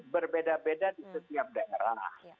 berbeda beda di setiap daerah